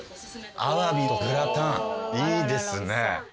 アワビグラタンいいですね。